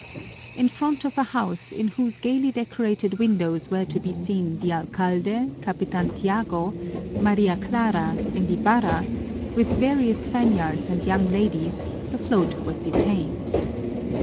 In front of a house in whose gaily decorated windows were to be seen the alcalde, Capitan Tiago, Maria Clara, and Ibarra, with various Spaniards and young ladies, the float was detained.